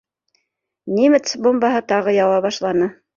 Немец бомбаһы тағы яуа башланы.